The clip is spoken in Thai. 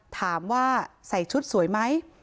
ถามว่าใส่ชุดสวยไหม